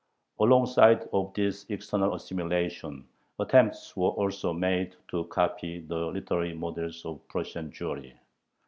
Alongside of this external assimilation, attempts were also made to copy the literary models of Prussian Jewry.